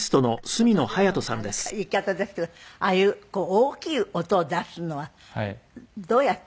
ちょっと素人みたいな言い方ですけどああいう大きい音を出すのはどうやって。